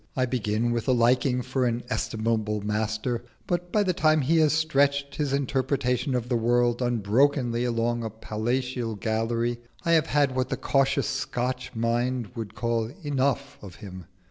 I begin with a liking for an estimable master, but by the time he has stretched his interpretation of the world unbrokenly along a palatial gallery, I have had what the cautious Scotch mind would call "enough" of him.